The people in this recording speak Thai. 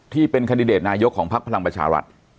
ที่เป็นคันดิเดตนายกของพักพลังประชารัฐ